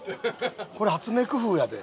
これ発明工夫やで。